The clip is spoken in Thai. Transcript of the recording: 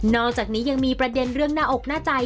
อกจากนี้ยังมีประเด็นเรื่องหน้าอกหน้าใจ